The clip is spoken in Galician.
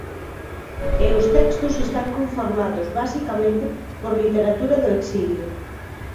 E os textos están conformados, basicamente, por literatura do exilio.